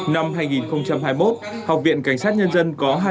năm hai nghìn hai mươi một học viện cảnh sát nhân dân có